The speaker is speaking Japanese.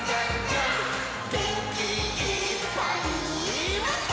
「げんきいっぱいもっと」